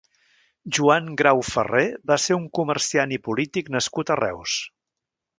Joan Grau Ferrer va ser un comerciant i polític nascut a Reus.